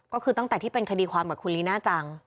ก็คือตั้งแต่ที่เป็นคดีความกับคุณลีน่าจัง